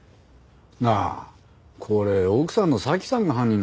なあこれ奥さんの早紀さんが犯人なんじゃねえのかな？